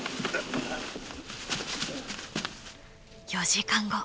４時間後。